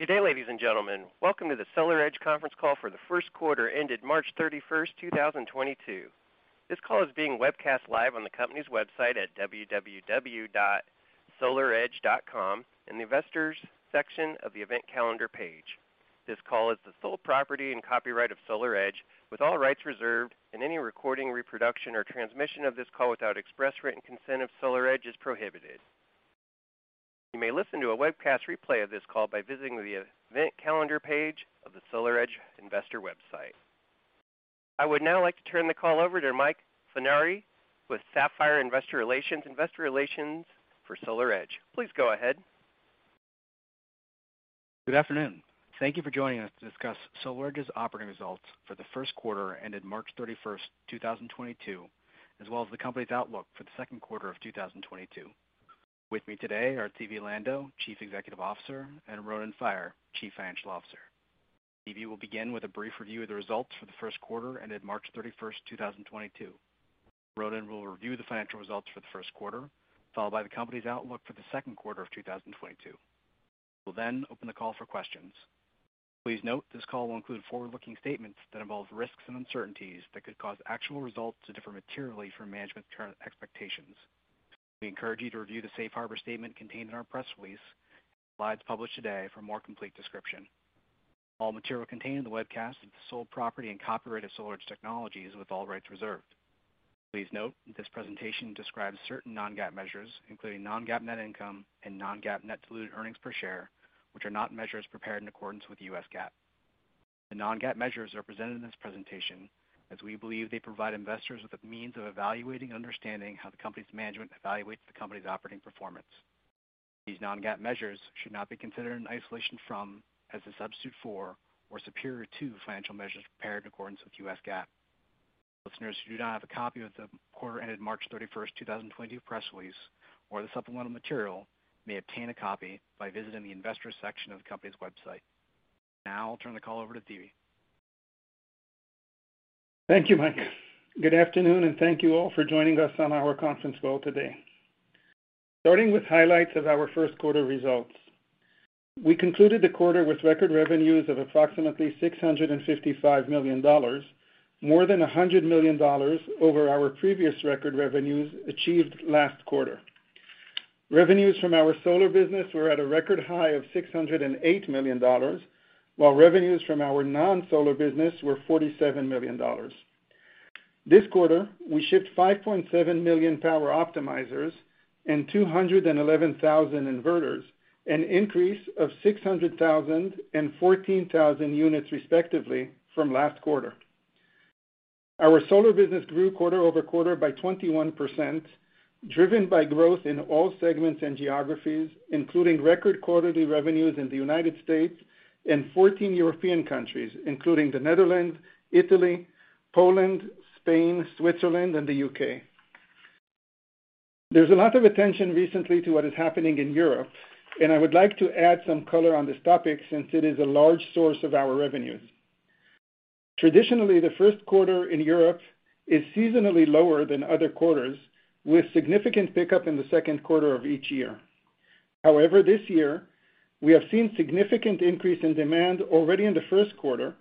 Good day, ladies and gentlemen. Welcome to the SolarEdge conference call for the first quarter ended March 31, 2022. This call is being webcast live on the company's website at www.solaredge.com in the investors section of the event calendar page. This call is the sole property and copyright of SolarEdge, with all rights reserved and any recording, reproduction or transmission of this call without express written consent of SolarEdge is prohibited. You may listen to a webcast replay of this call by visiting the event calendar page of the SolarEdge investor website. I would now like to turn the call over to Mike Funari with Sapphire Investor Relations, investor relations for SolarEdge. Please go ahead. Good afternoon. Thank you for joining us to discuss SolarEdge's operating results for the first quarter ended March 31, 2022, as well as the company's outlook for the second quarter of 2022. With me today are Zvi Lando, Chief Executive Officer, and Ronen Faier, Chief Financial Officer. Zvi will begin with a brief review of the results for the first quarter ended March 31, 2022. Ronen will review the financial results for the first quarter, followed by the company's outlook for the second quarter of 2022. We'll then open the call for questions. Please note this call will include forward-looking statements that involve risks and uncertainties that could cause actual results to differ materially from management's current expectations. We encourage you to review the safe harbor statement contained in our press release and slides published today for more complete description. All material contained in the webcast is the sole property and copyright of SolarEdge Technologies with all rights reserved. Please note that this presentation describes certain Non-GAAP measures, including Non-GAAP net income and Non-GAAP net dilute earnings per share, which are not measures prepared in accordance with U.S. GAAP. The Non-GAAP measures are presented in this presentation as we believe they provide investors with a means of evaluating and understanding how the company's management evaluates the company's operating performance. These Non-GAAP measures should not be considered in isolation from, as a substitute for, or superior to financial measures prepared in accordance with U.S. GAAP. Listeners who do not have a copy of the quarter ended March 31, 2022 press release or the supplemental material may obtain a copy by visiting the Investors section of the company's website. Now I'll turn the call over to Zvi Lando. Thank you, Mike. Good afternoon, and thank you all for joining us on our conference call today. Starting with highlights of our first quarter results. We concluded the quarter with record revenues of approximately $655 million, more than $100 million over our previous record revenues achieved last quarter. Revenues from our solar business were at a record high of $608 million, while revenues from our non-solar business were $47 million. This quarter, we shipped 5.7 million power optimizers and 211,000 inverters, an increase of 600,000 and 14,000 units respectively from last quarter. Our solar business grew quarter-over-quarter by 21%, driven by growth in all segments and geographies, including record quarterly revenues in the United States and 14 European countries, including the Netherlands, Italy, Poland, Spain, Switzerland, and the U.K. There's a lot of attention recently to what is happening in Europe, and I would like to add some color on this topic since it is a large source of our revenues. Traditionally, the first quarter in Europe is seasonally lower than other quarters, with significant pickup in the second quarter of each year. However, this year, we have seen significant increase in demand already in the first quarter,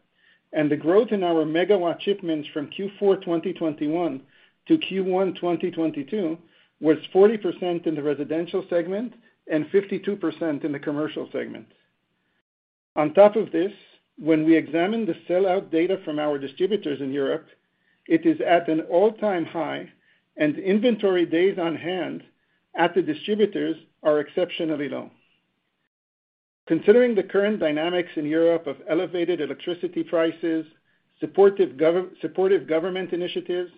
and the growth in our megawatt shipments from Q4 2021 to Q1 2022 was 40% in the residential segment and 52% in the commercial segment. On top of this, when we examine the sellout data from our distributors in Europe, it is at an all-time high, and inventory days on hand at the distributors are exceptionally low. Considering the current dynamics in Europe of elevated electricity prices, supportive government initiatives,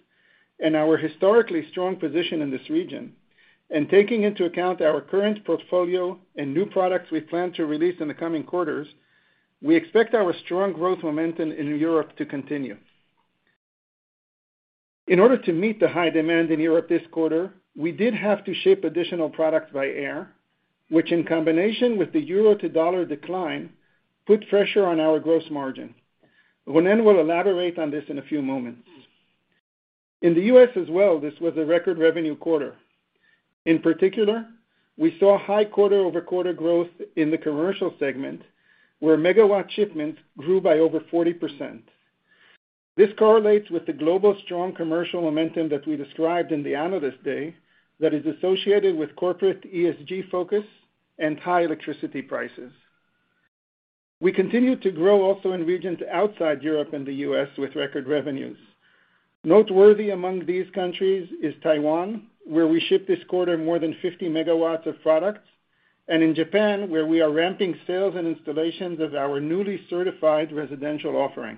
and our historically strong position in this region, and taking into account our current portfolio and new products we plan to release in the coming quarters, we expect our strong growth momentum in Europe to continue. In order to meet the high demand in Europe this quarter, we did have to ship additional products by air, which in combination with the euro to dollar decline, put pressure on our gross margin. Ronen will elaborate on this in a few moments. In the U.S. as well, this was a record revenue quarter. In particular, we saw high quarter-over-quarter growth in the commercial segment, where megawatt shipments grew by over 40%. This correlates with the global strong commercial momentum that we described in the Analyst Day that is associated with corporate ESG focus and high electricity prices. We continued to grow also in regions outside Europe and the U.S. with record revenues. Noteworthy among these countries is Taiwan, where we shipped this quarter more than 50 MW of products, and in Japan, where we are ramping sales and installations of our newly certified residential offering.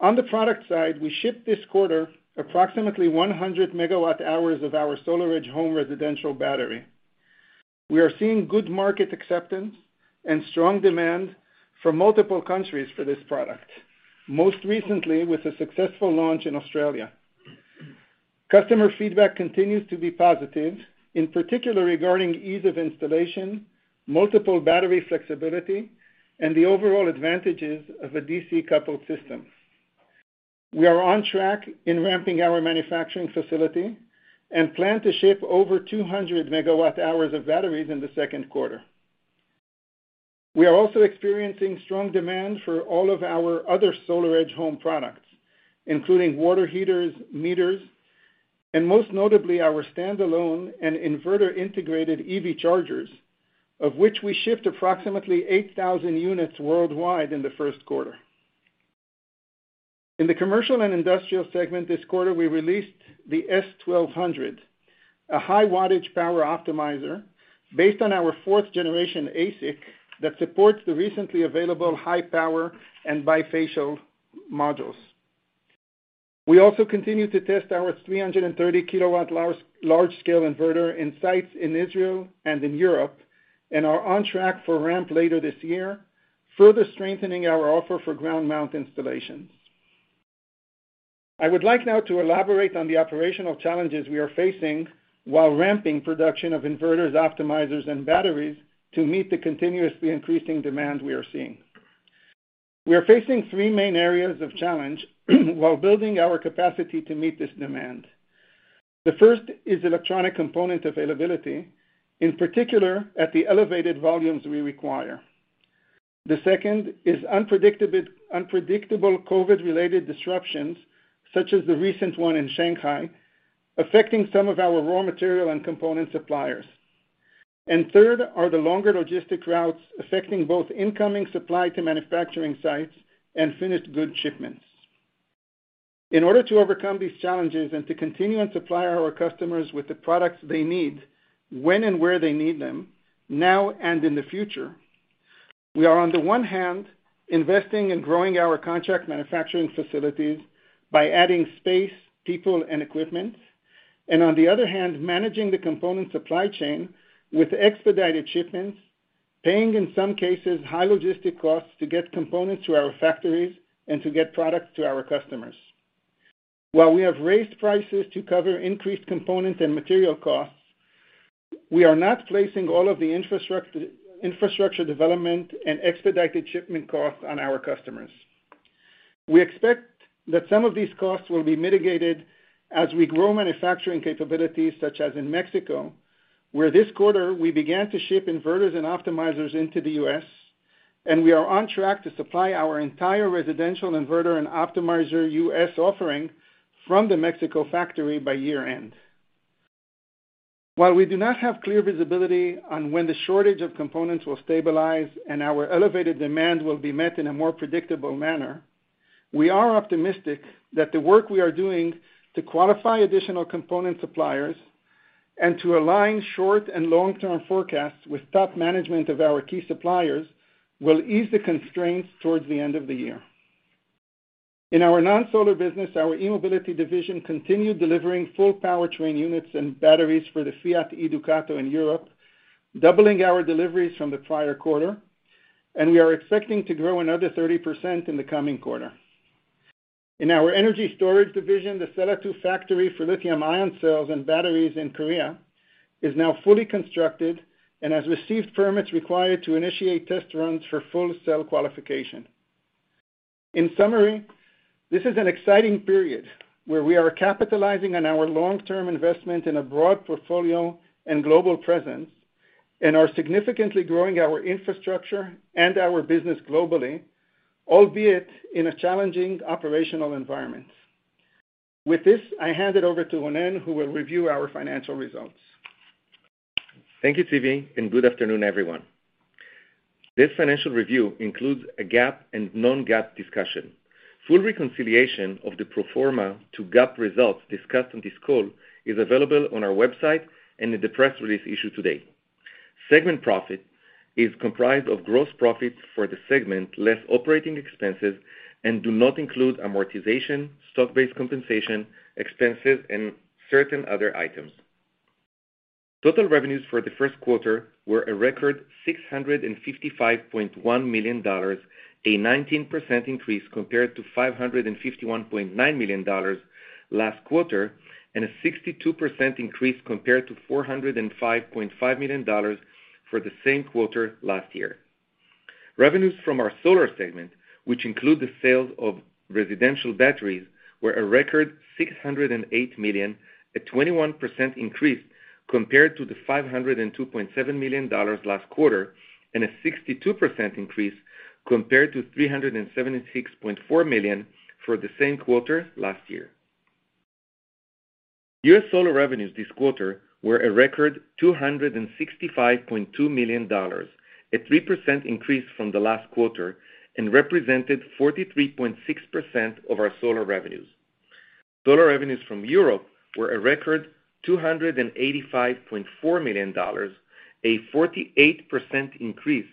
On the product side, we shipped this quarter approximately 100 MWh of our SolarEdge Home residential battery. We are seeing good market acceptance and strong demand from multiple countries for this product, most recently with a successful launch in Australia. Customer feedback continues to be positive, in particular regarding ease of installation, multiple battery flexibility, and the overall advantages of a DC-coupled system. We are on track in ramping our manufacturing facility and plan to ship over 200 MWh of batteries in the second quarter. We are also experiencing strong demand for all of our other SolarEdge home products, including water heaters, meters, and most notably, our standalone and inverter integrated EV chargers, of which we shipped approximately 8,000 units worldwide in the first quarter. In the commercial and industrial segment this quarter, we released the S1200, a high-wattage power optimizer based on our fourth generation ASIC that supports the recently available high power and bifacial modules. We also continue to test our 330 KW large-scale inverter in sites in Israel and in Europe, and are on track for ramp later this year, further strengthening our offer for ground mount installations. I would like now to elaborate on the operational challenges we are facing while ramping production of inverters, optimizers, and batteries to meet the continuously increasing demand we are seeing. We are facing three main areas of challenge while building our capacity to meet this demand. The first is electronic component availability, in particular at the elevated volumes we require. The second is unpredictable COVID-related disruptions, such as the recent one in Shanghai, affecting some of our raw material and component suppliers. Third are the longer logistic routes affecting both incoming supply to manufacturing sites and finished good shipments. In order to overcome these challenges and to continue and supply our customers with the products they need, when and where they need them, now and in the future, we are on the one hand, investing in growing our contract manufacturing facilities by adding space, people and equipment. On the other hand, managing the component supply chain with expedited shipments, paying, in some cases, high logistics costs to get components to our factories and to get products to our customers. While we have raised prices to cover increased components and material costs, we are not placing all of the infrastructure development and expedited shipment costs on our customers. We expect that some of these costs will be mitigated as we grow manufacturing capabilities, such as in Mexico, where this quarter we began to ship inverters and optimizers into the U.S., and we are on track to supply our entire residential inverter and optimizer U.S. offering from the Mexico factory by year-end. While we do not have clear visibility on when the shortage of components will stabilize and our elevated demand will be met in a more predictable manner, we are optimistic that the work we are doing to qualify additional component suppliers and to align short and long-term forecasts with top management of our key suppliers will ease the constraints towards the end of the year. In our non-solar business, our e-Mobility division continued delivering full powertrain units and batteries for the Fiat E-Ducato in Europe, doubling our deliveries from the prior quarter, and we are expecting to grow another 30% in the coming quarter. In our energy storage division, the Sella 2 factory for lithium-ion cells and batteries in Korea is now fully constructed and has received permits required to initiate test runs for full cell qualification. In summary, this is an exciting period where we are capitalizing on our long-term investment in a broad portfolio and global presence, and are significantly growing our infrastructure and our business globally, albeit in a challenging operational environment. With this, I hand it over to Ronen, who will review our financial results. Thank you, Zvi, and good afternoon, everyone. This financial review includes a GAAP and Non-GAAP discussion. Full reconciliation of the pro forma to GAAP results discussed on this call is available on our website and in the press release issued today. Segment profit is comprised of gross profits for the segment, less operating expenses and do not include amortization, stock-based compensation, expenses, and certain other items. Total revenues for the first quarter were a record $655.1 million, a 19% increase compared to $551.9 million last quarter, and a 62% increase compared to $405.5 million for the same quarter last year. Revenues from our solar segment, which include the sales of residential batteries, were a record $608 million, a 21% increase compared to the $502.7 million last quarter, and a 62% increase compared to $376.4 million for the same quarter last year. U.S. solar revenues this quarter were a record $265.2 million, a 3% increase from the last quarter and represented 43.6% of our solar revenues. Solar revenues from Europe were a record $285.4 million, a 48% increase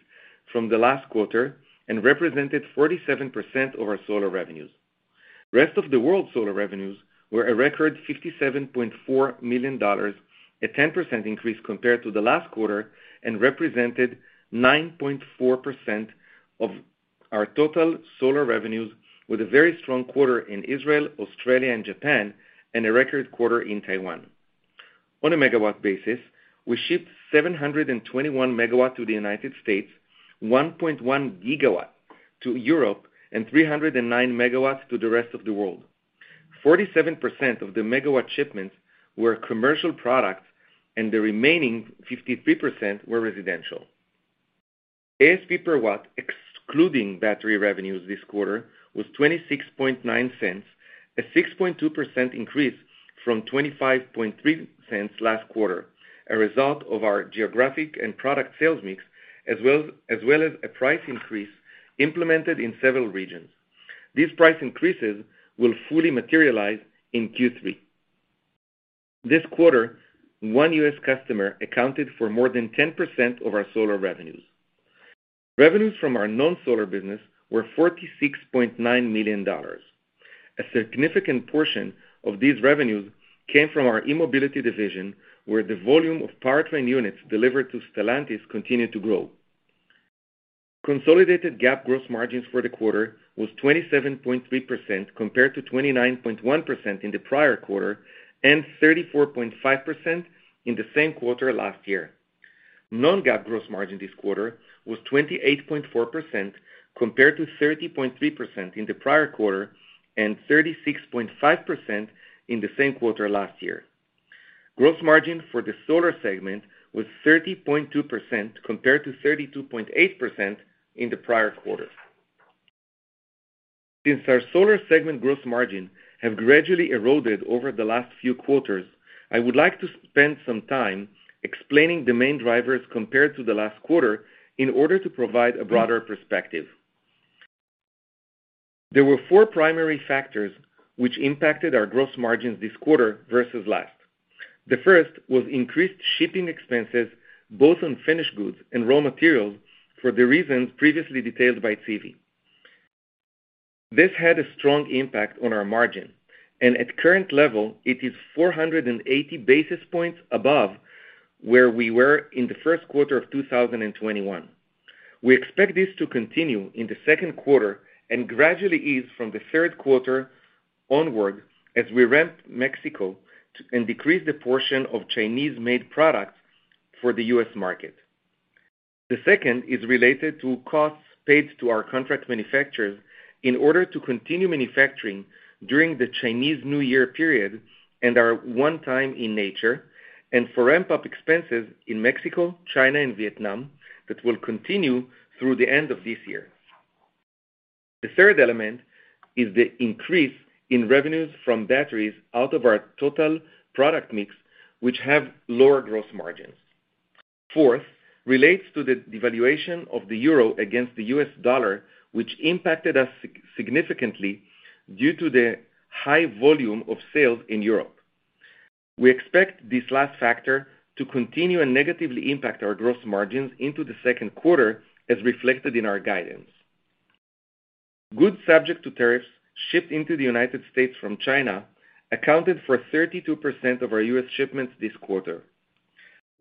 from the last quarter and represented 47% of our solar revenues. Rest of the world solar revenues were a record $57.4 million, a 10% increase compared to the last quarter and represented 9.4% of our total solar revenues, with a very strong quarter in Israel, Australia and Japan, and a record quarter in Taiwan. On a megawatt basis, we shipped 721 MW to the United States, 1.1 GW to Europe, and 309 MW to the rest of the world. 47% of the megawatt shipments were commercial products, and the remaining 53% were residential. ASP per watt, excluding battery revenues this quarter, was $0.269, a 6.2% increase from $0.253 last quarter, a result of our geographic and product sales mix as well as a price increase implemented in several regions. These price increases will fully materialize in Q3. This quarter, one U.S. customer accounted for more than 10% of our solar revenues. Revenues from our non-solar business were $46.9 million. A significant portion of these revenues came from our e-Mobility division, where the volume of powertrain units delivered to Stellantis continued to grow. Consolidated GAAP gross margins for the quarter was 27.3% compared to 29.1% in the prior quarter, and 34.5% in the same quarter last year. Non-GAAP gross margin this quarter was 28.4% compared to 30.3% in the prior quarter and 36.5% in the same quarter last year. Gross margin for the solar segment was 30.2% compared to 32.8% in the prior quarter. Since our solar segment gross margin have gradually eroded over the last few quarters, I would like to spend some time explaining the main drivers compared to the last quarter in order to provide a broader perspective. There were four primary factors which impacted our gross margins this quarter versus last. The first was increased shipping expenses, both on finished goods and raw materials, for the reasons previously detailed by Zvi. This had a strong impact on our margin, and at current level, it is 480 basis points above where we were in the first quarter of 2021. We expect this to continue in the second quarter and gradually ease from the third quarter onward as we ramp Mexico and decrease the portion of Chinese-made products for the U.S. market. The second is related to costs paid to our contract manufacturers in order to continue manufacturing during the Chinese New Year period and are one time in nature, and for ramp-up expenses in Mexico, China, and Vietnam that will continue through the end of this year. The third element is the increase in revenues from batteries out of our total product mix, which have lower gross margins. Fourth relates to the devaluation of the euro against the U.S. dollar, which impacted us significantly due to the high volume of sales in Europe. We expect this last factor to continue and negatively impact our gross margins into the second quarter, as reflected in our guidance. Goods subject to tariffs shipped into the United States from China accounted for 32% of our U.S. shipments this quarter.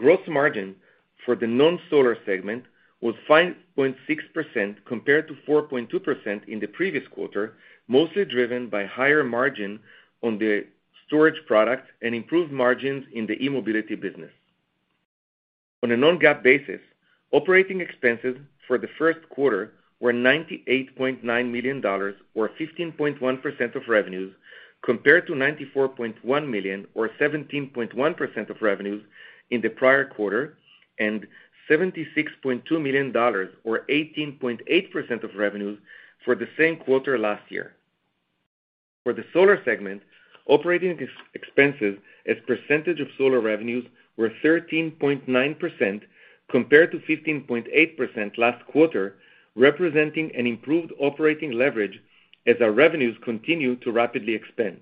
Gross margin for the non-solar segment was 5.6% compared to 4.2% in the previous quarter, mostly driven by higher margin on the storage product and improved margins in the e-Mobility business. On a Non-GAAP basis, operating expenses for the first quarter were $98.9 million or 15.1% of revenues, compared to $94.1 million or 17.1% of revenues in the prior quarter, and $76.2 million or 18.8% of revenues for the same quarter last year. For the solar segment, operating expenses as percentage of solar revenues were 13.9% compared to 15.8% last quarter, representing an improved operating leverage as our revenues continue to rapidly expand.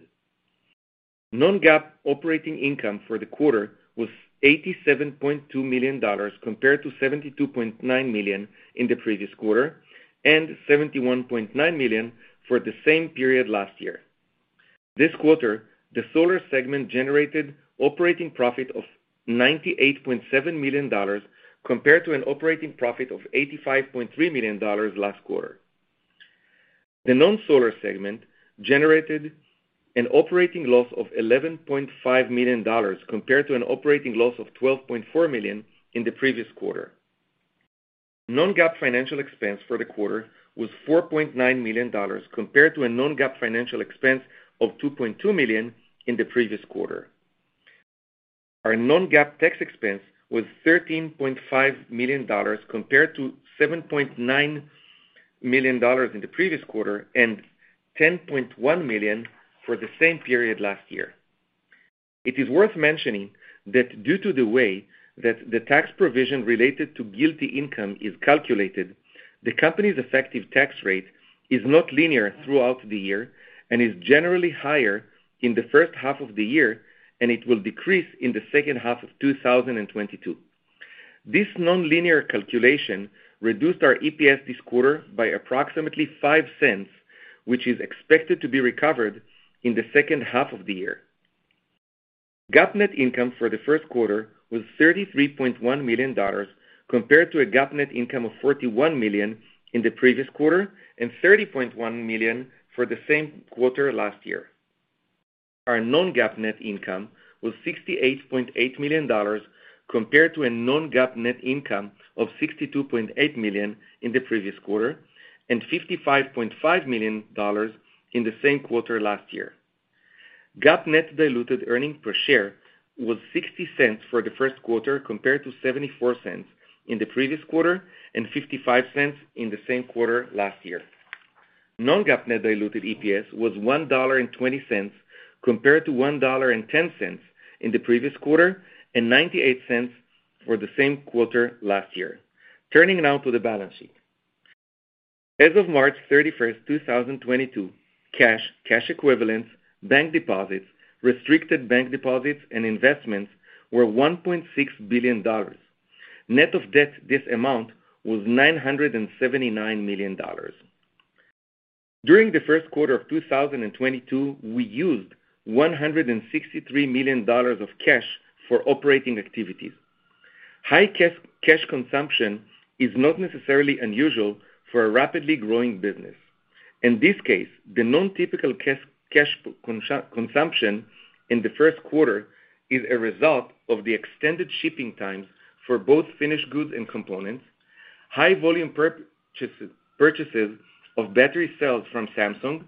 Non-GAAP operating income for the quarter was $87.2 million, compared to $72.9 million in the previous quarter and $71.9 million for the same period last year. This quarter, the solar segment generated operating profit of $98.7 million, compared to an operating profit of $85.3 million last quarter. The non-solar segment generated an operating loss of $11.5 million, compared to an operating loss of $12.4 million in the previous quarter. Non-GAAP financial expense for the quarter was $4.9 million, compared to a Non-GAAP financial expense of $2.2 million in the previous quarter. Our Non-GAAP tax expense was $13.5 million, compared to $7.9 million in the previous quarter and $10.1 million for the same period last year. It is worth mentioning that due to the way that the tax provision related to GILTI income is calculated, the company's effective tax rate is not linear throughout the year and is generally higher in the first half of the year, and it will decrease in the second half of 2022. This nonlinear calculation reduced our EPS this quarter by approximately $0.05, which is expected to be recovered in the second half of the year. GAAP net income for the first quarter was $33.1 million, compared to a GAAP net income of $41 million in the previous quarter and $30.1 million for the same quarter last year. Our Non-GAAP net income was $68.8 million compared to a Non-GAAP net income of $62.8 million in the previous quarter and $55.5 million in the same quarter last year. GAAP net diluted earnings per share was $0.60 for the first quarter, compared to $0.74 in the previous quarter and $0.55 in the same quarter last year. Non-GAAP net diluted EPS was $1.20, compared to $1.10 in the previous quarter and $0.98 for the same quarter last year. Turning now to the balance sheet. As of March 31, 2022, cash equivalents, bank deposits, restricted bank deposits, and investments were $1.6 billion. Net of debt, this amount was $979 million. During the first quarter of 2022, we used $163 million of cash for operating activities. High cash consumption is not necessarily unusual for a rapidly growing business. In this case, the non-typical cash consumption in the first quarter is a result of the extended shipping times for both finished goods and components, high volume purchases of battery cells from Samsung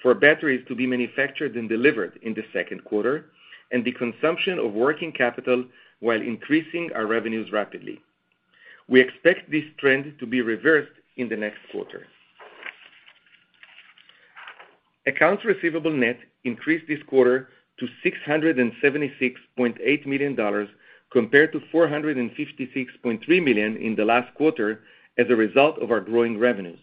for batteries to be manufactured and delivered in the second quarter, and the consumption of working capital while increasing our revenues rapidly. We expect this trend to be reversed in the next quarter. Accounts receivable net increased this quarter to $676.8 million compared to $456.3 million in the last quarter as a result of our growing revenues.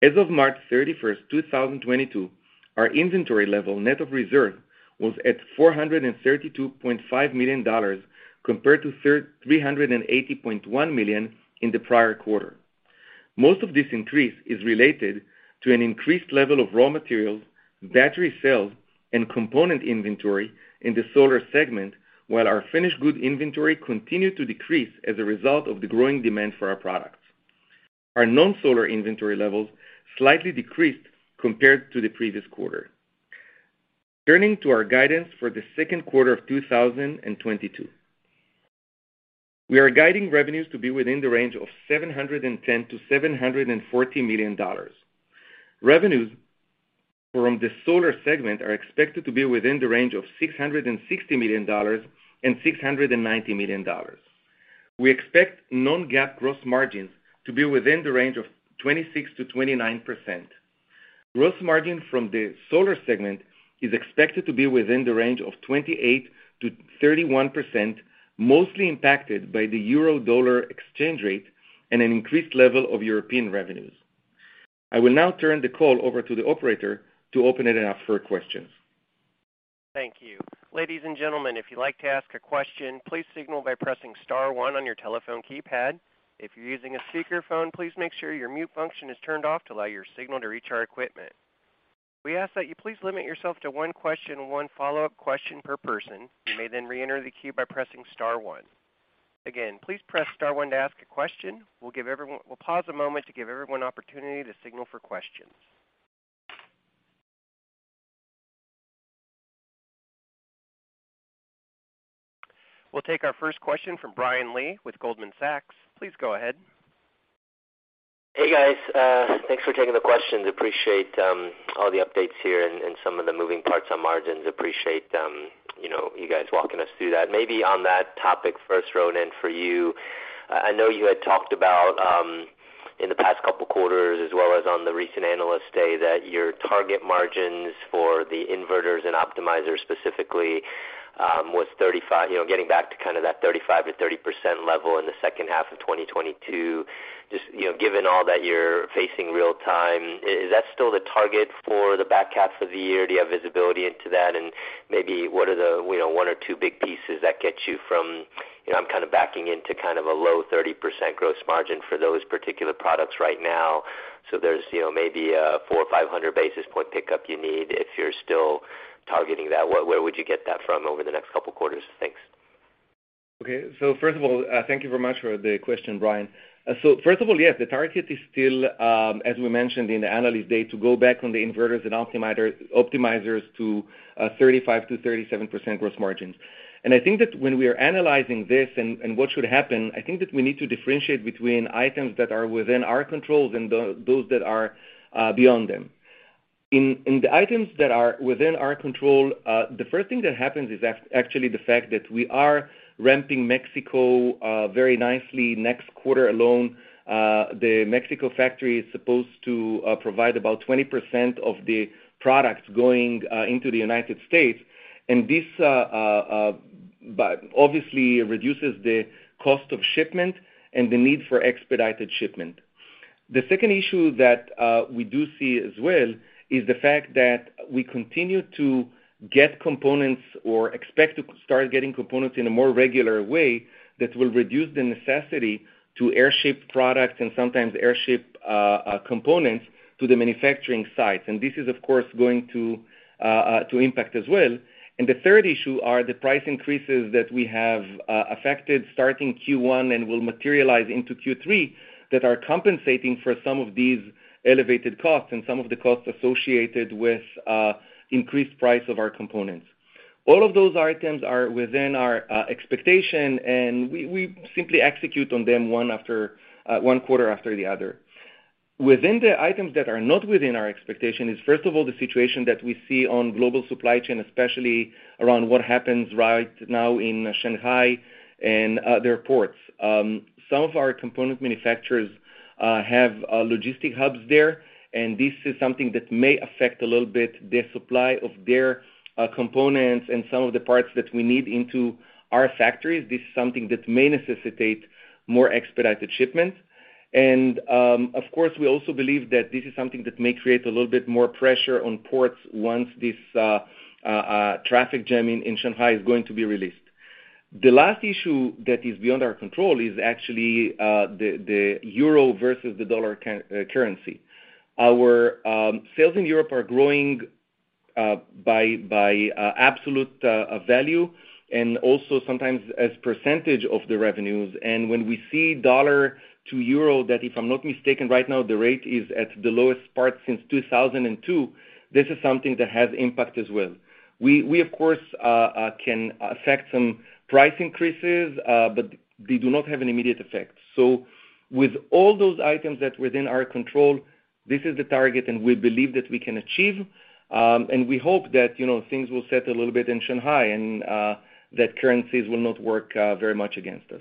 As of March 31, 2022, our inventory level net of reserve was at $432.5 million compared to $380.1 million in the prior quarter. Most of this increase is related to an increased level of raw materials, battery cells, and component inventory in the solar segment, while our finished goods inventory continued to decrease as a result of the growing demand for our products. Our non-solar inventory levels slightly decreased compared to the previous quarter. Turning to our guidance for the second quarter of 2022. We are guiding revenues to be within the range of $710 million-$740 million. Revenues from the solar segment are expected to be within the range of $660 million-$690 million. We expect Non-GAAP gross margins to be within the range of 26%-29%. Gross margin from the solar segment is expected to be within the range of 28%-31%, mostly impacted by the euro-dollar exchange rate and an increased level of European revenues. I will now turn the call over to the operator to open it up for questions. Thank you. Ladies and gentlemen, if you'd like to ask a question, please signal by pressing star one on your telephone keypad. If you're using a speakerphone, please make sure your mute function is turned off to allow your signal to reach our equipment. We ask that you please limit yourself to one question and one follow-up question per person. You may then reenter the queue by pressing star one. Again, please press star one to ask a question. We'll pause a moment to give everyone opportunity to signal for questions. We'll take our first question from Brian Lee with Goldman Sachs. Please go ahead. Hey, guys. Thanks for taking the questions. Appreciate all the updates here and some of the moving parts on margins. Appreciate, you know, you guys walking us through that. Maybe on that topic first, Ronen, and for you, I know you had talked about in the past couple quarters as well as on the recent Analyst Day, that your target margins for the inverters and optimizers specifically was 35, you know, getting back to kind of that 35%-30% level in the second half of 2022. Just, you know, given all that you're facing real time, is that still the target for the back half of the year? Do you have visibility into that? Maybe what are the, you know, one or two big pieces that get you from You know, I'm kind of backing into kind of a low 30% gross margin for those particular products right now. There's, you know, maybe a 400 or 500 basis point pickup you need if you're still targeting that. Where would you get that from over the next couple quarters? Thanks. Okay. First of all, thank you very much for the question, Brian. First of all, yes, the target is still, as we mentioned in the Analyst Day, to go back on the inverters and optimizers to 35%-37% gross margins. I think that when we are analyzing this and what should happen, I think that we need to differentiate between items that are within our controls and those that are beyond them. In the items that are within our control, the first thing that happens is actually the fact that we are ramping Mexico very nicely. Next quarter alone, the Mexico factory is supposed to provide about 20% of the products going into the United States. This obviously reduces the cost of shipment and the need for expedited shipment. The second issue that we do see as well is the fact that we continue to get components or expect to start getting components in a more regular way that will reduce the necessity to air ship products and sometimes air ship components to the manufacturing sites. This is, of course, going to impact as well. The third issue are the price increases that we have affected starting Q1 and will materialize into Q3 that are compensating for some of these elevated costs and some of the costs associated with increased price of our components. All of those items are within our expectation, and we simply execute on them one quarter after the other. Within the items that are not within our expectation is, first of all, the situation that we see on global supply chain, especially around what happens right now in Shanghai and other ports. Some of our component manufacturers have logistics hubs there, and this is something that may affect a little bit the supply of their components and some of the parts that we need into our factories. This is something that may necessitate more expedited shipments. Of course, we also believe that this is something that may create a little bit more pressure on ports once this traffic jam in Shanghai is going to be released. The last issue that is beyond our control is actually the euro versus the dollar currency. Our sales in Europe are growing by absolute value and also sometimes as percentage of the revenues. When we see dollar to euro, that if I'm not mistaken, right now the rate is at the lowest part since 2002, this is something that has impact as well. We of course can affect some price increases, but they do not have an immediate effect. With all those items that's within our control, this is the target and we believe that we can achieve. We hope that, you know, things will settle a little bit in Shanghai and that currencies will not work very much against us.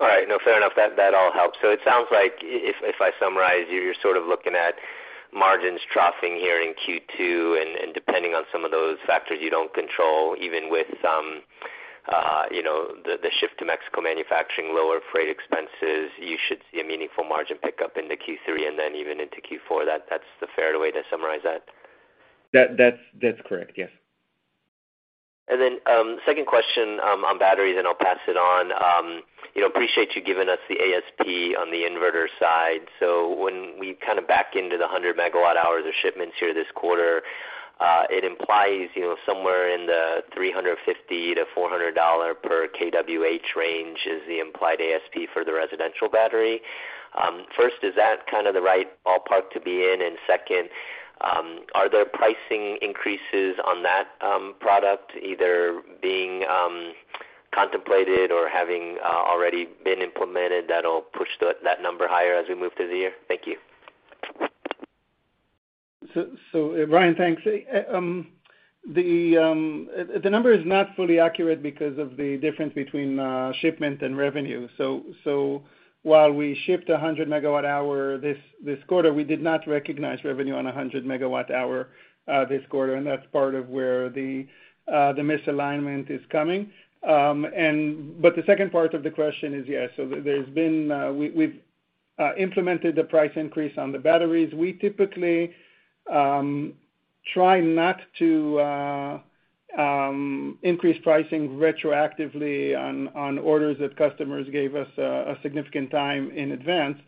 All right. No, fair enough. That all helps. It sounds like if I summarize you're sort of looking at margins troughing here in Q2, and depending on some of those factors you don't control, even with some, you know, the shift to Mexico manufacturing, lower freight expenses, you should see a meaningful margin pickup into Q3 and then even into Q4. That's the fair way to summarize that? That's correct, yes. Second question, on batteries, and I'll pass it on. You know, appreciate you giving us the ASP on the inverter side. When we kind of back into the 100 MWh of shipments here this quarter, it implies, you know, somewhere in the $350-$400 per kWh range is the implied ASP for the residential battery. First, is that kind of the right ballpark to be in? Second, are there pricing increases on that product either being contemplated or having already been implemented that'll push that number higher as we move through the year? Thank you. Brian, thanks. The number is not fully accurate because of the difference between shipment and revenue. While we shipped 100 MWh this quarter, we did not recognize revenue on 100 MWh this quarter, and that's part of where the misalignment is coming. But the second part of the question is, yes. We've implemented the price increase on the batteries. We typically try not to increase pricing retroactively on orders that customers gave us a significant time in advance.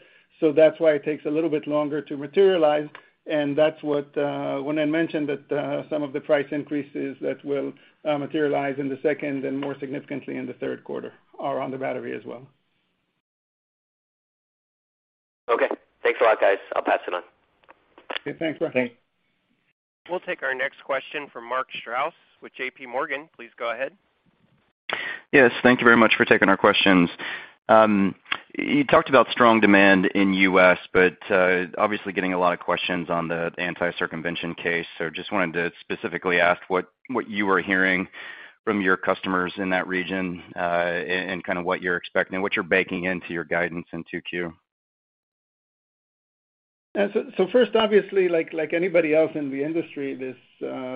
That's why it takes a little bit longer to materialize. That's what, when I mentioned that, some of the price increases that will materialize in the second and more significantly in the third quarter are on the battery as well. Okay. Thanks a lot, guys. I'll pass it on. Yeah. Thanks, Brian. Thanks. We'll take our next question from Mark Strouse with J.P. Morgan. Please go ahead. Yes, thank you very much for taking our questions. You talked about strong demand in U.S., but obviously getting a lot of questions on the anti-circumvention case. Just wanted to specifically ask what you are hearing from your customers in that region, and kind of what you're expecting, what you're baking into your guidance in 2Q. Yeah. First, obviously like anybody else in the industry,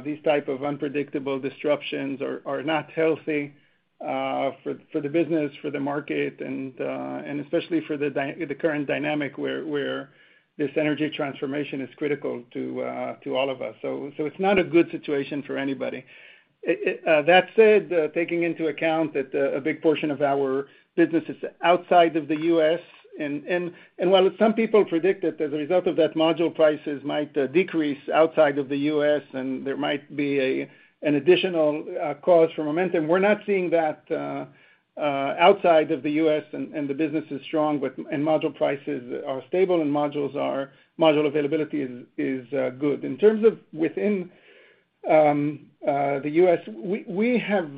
these type of unpredictable disruptions are not healthy for the business, for the market and especially for the current dynamic where this energy transformation is critical to all of us. It's not a good situation for anybody. That said, taking into account that a big portion of our business is outside of the U.S. and while some people predict that as a result of that module prices might decrease outside of the U.S. and there might be an additional cause for momentum, we're not seeing that outside of the U.S. and the business is strong and module prices are stable and module availability is good. In terms of within the U.S., we have,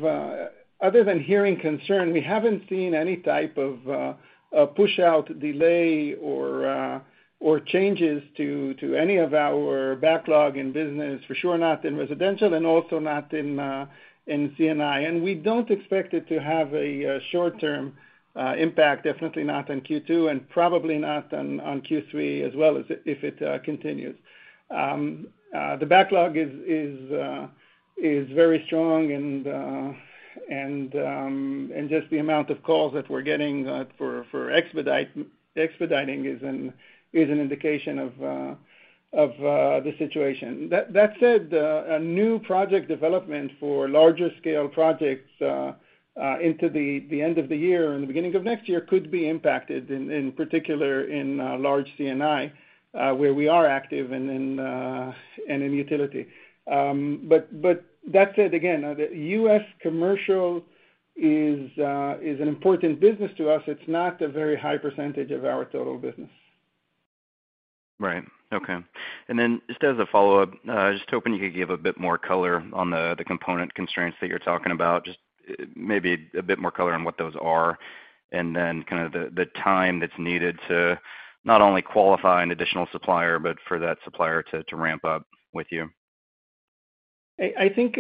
other than hearing concern, we haven't seen any type of a push-out delay or changes to any of our backlog in business, for sure not in residential and also not in C&I. We don't expect it to have a short-term impact, definitely not in Q2 and probably not on Q3 as well if it continues. The backlog is very strong and just the amount of calls that we're getting for expediting is an indication of the situation. That said, a new project development for larger scale projects into the end of the year and the beginning of next year could be impacted in particular in large C&I where we are active and in utility. That said, again, the U.S. commercial is an important business to us. It's not a very high percentage of our total business. Right. Okay. Just as a follow-up, I was just hoping you could give a bit more color on the component constraints that you're talking about. Just maybe a bit more color on what those are, and then kind of the time that's needed to not only qualify an additional supplier, but for that supplier to ramp up with you. I think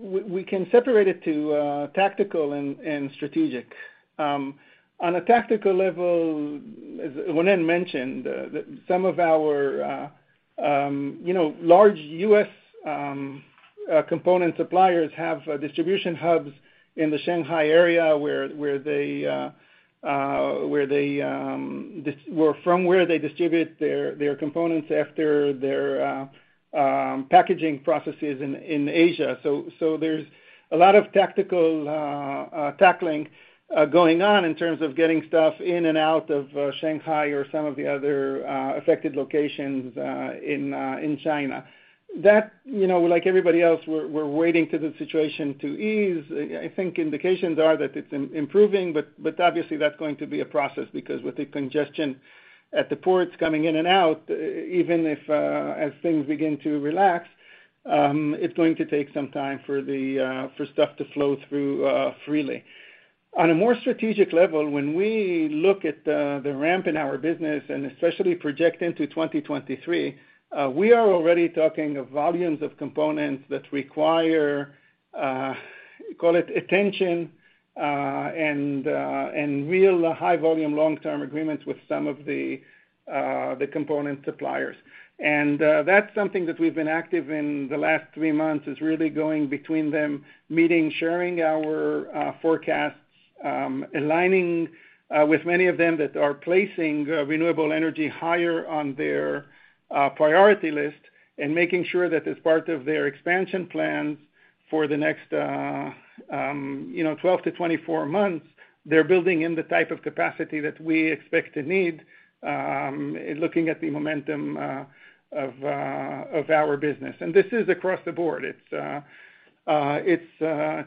we can separate it to tactical and strategic. On a tactical level, as Ronen mentioned, some of our, you know, large U.S. component suppliers have distribution hubs in the Shanghai area where they distribute their components after their packaging processes in Asia. There's a lot of tactical tackling going on in terms of getting stuff in and out of Shanghai or some of the other affected locations in China. That, you know, like everybody else, we're waiting for the situation to ease. I think indications are that it's improving, but obviously that's going to be a process because with the congestion at the ports coming in and out, even if as things begin to relax, it's going to take some time for stuff to flow through freely. On a more strategic level, when we look at the ramp in our business and especially project into 2023, we are already talking of volumes of components that require, call it attention, and real high volume long-term agreements with some of the component suppliers. That's something that we've been active in the last three months, is really going between them, meeting, sharing our forecasts, aligning with many of them that are placing renewable energy higher on their priority list and making sure that as part of their expansion plans for the next, you know, 12-24 months, they're building in the type of capacity that we expect to need, looking at the momentum of our business. This is across the board. It's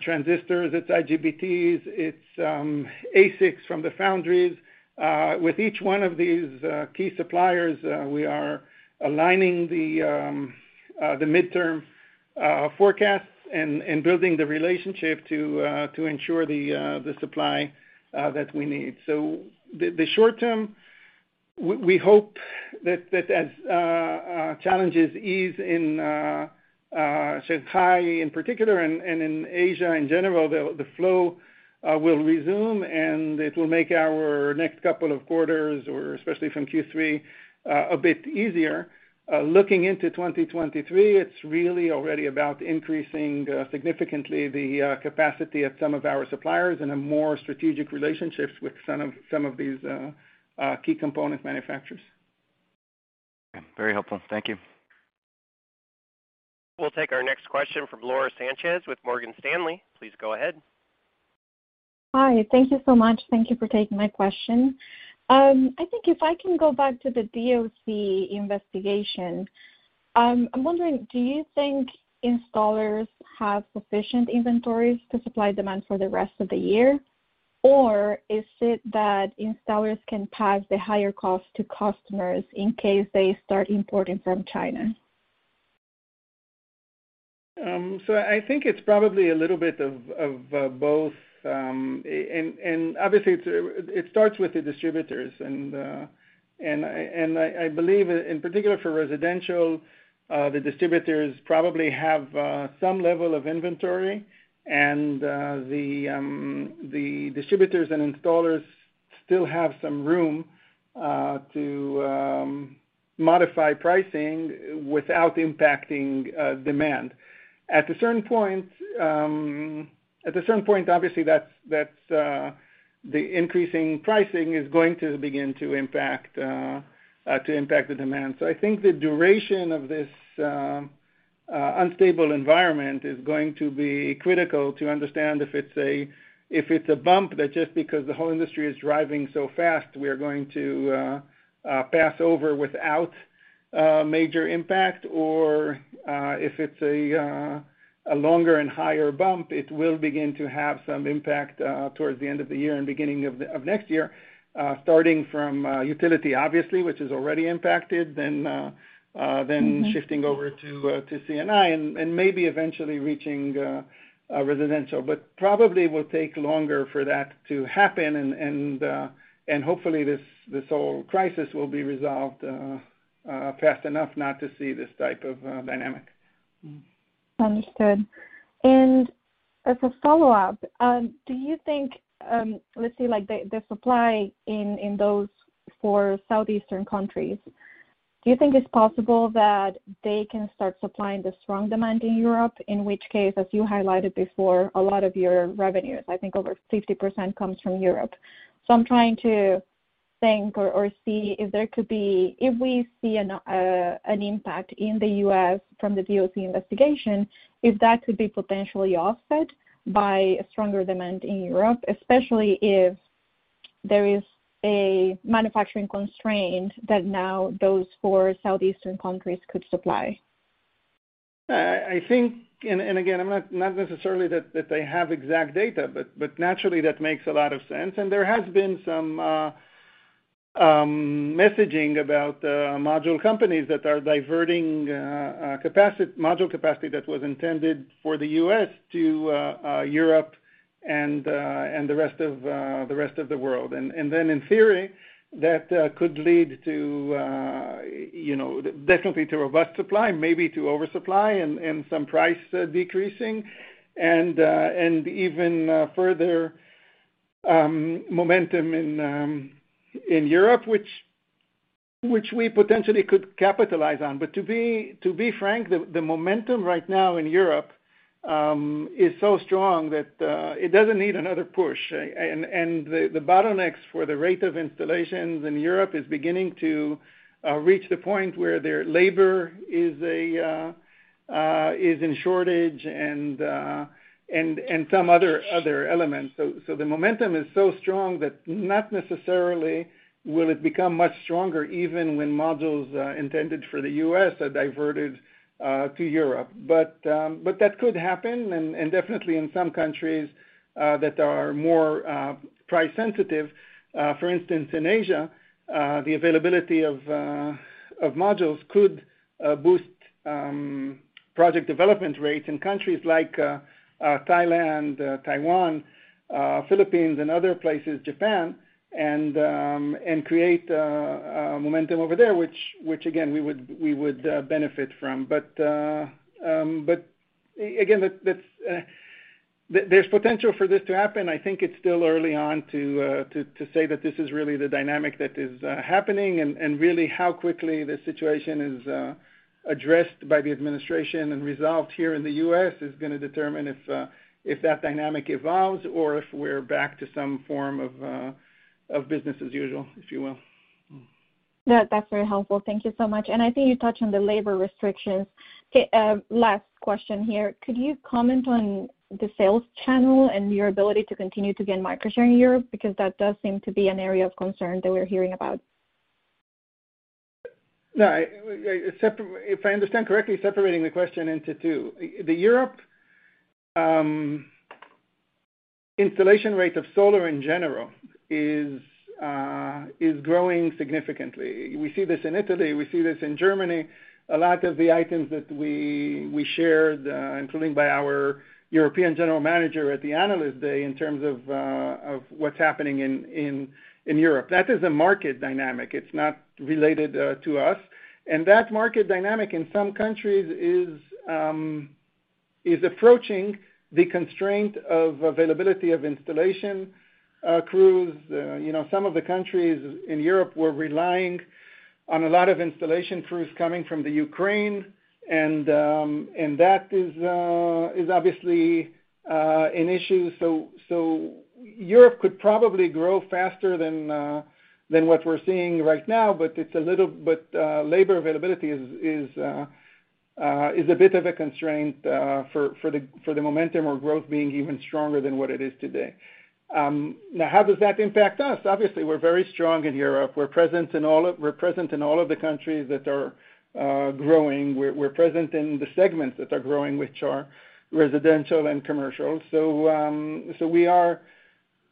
transistors, it's IGBTs, it's ASICs from the foundries. With each one of these key suppliers, we are aligning the midterm forecasts and building the relationship to ensure the supply that we need. The short term, we hope that as challenges ease in Shanghai in particular and in Asia in general, the flow will resume, and it will make our next couple of quarters or especially from Q3 a bit easier. Looking into 2023, it's really already about increasing significantly the capacity at some of our suppliers and a more strategic relationships with some of these key component manufacturers. Okay. Very helpful. Thank you. We'll take our next question from Laura Sanchez with Morgan Stanley. Please go ahead. Hi. Thank you so much. Thank you for taking my question. I think if I can go back to the DOC investigation, I'm wondering, do you think installers have sufficient inventories to supply demand for the rest of the year, or is it that installers can pass the higher cost to customers in case they start importing from China? I think it's probably a little bit of both, and obviously it starts with the distributors, and I believe in particular for residential, the distributors probably have some level of inventory, and the distributors and installers still have some room to modify pricing without impacting demand. At a certain point, obviously that's the increasing pricing is going to begin to impact the demand. I think the duration of this unstable environment is going to be critical to understand if it's a bump that just because the whole industry is driving so fast, we are going to pass over without major impact or if it's a longer and higher bump, it will begin to have some impact towards the end of the year and beginning of next year, starting from utility obviously, which is already impacted, then. Shifting over to C&I and maybe eventually reaching residential. Probably will take longer for that to happen and hopefully this whole crisis will be resolved fast enough not to see this type of dynamic. Understood. As a follow-up, do you think, let's say like the supply in those four Southeast Asian countries, do you think it's possible that they can start supplying the strong demand in Europe? In which case, as you highlighted before, a lot of your revenues, I think over 50% comes from Europe. I'm trying to think or see if we see an impact in the U.S. from the DOC investigation, if that could be potentially offset by a stronger demand in Europe, especially if there is a manufacturing constraint that now those four Southeast Asian countries could supply. I think and again I'm not necessarily that they have exact data, but naturally that makes a lot of sense. There has been some messaging about module companies that are diverting module capacity that was intended for the U.S. to Europe and the rest of the world. Then in theory that could lead to you know definitely to robust supply, maybe to oversupply and some price decreasing and even further momentum in Europe, which we potentially could capitalize on. To be frank, the momentum right now in Europe is so strong that it doesn't need another push. The bottlenecks for the rate of installations in Europe is beginning to reach the point where their labor is in shortage and some other elements. The momentum is so strong that not necessarily will it become much stronger even when modules intended for the U.S. are diverted to Europe. That could happen and definitely in some countries that are more price sensitive, for instance, in Asia, the availability of modules could boost project development rates in countries like Thailand, Taiwan, Philippines, and other places, Japan, and create momentum over there, which again, we would benefit from. Again, that's, there's potential for this to happen. I think it's still early on to say that this is really the dynamic that is happening and really how quickly the situation is addressed by the administration and resolved here in the U.S. is gonna determine if that dynamic evolves or if we're back to some form of business as usual, if you will. Yeah, that's very helpful. Thank you so much. I think you touched on the labor restrictions. Okay, last question here. Could you comment on the sales channel and your ability to continue to gain market share in Europe? Because that does seem to be an area of concern that we're hearing about. If I understand correctly, separating the question into two. The European installation rate of solar in general is growing significantly. We see this in Italy, we see this in Germany. A lot of the items that we shared, including by our European general manager at the Analyst Day in terms of what's happening in Europe. That is a market dynamic. It's not related to us. That market dynamic in some countries is approaching the constraint of availability of installation crews. You know, some of the countries in Europe were relying on a lot of installation crews coming from Ukraine, and that is obviously an issue. Europe could probably grow faster than what we're seeing right now, but labor availability is a bit of a constraint for the momentum or growth being even stronger than what it is today. Now how does that impact us? Obviously, we're very strong in Europe. We're present in all of the countries that are growing. We're present in the segments that are growing, which are residential and commercial. We are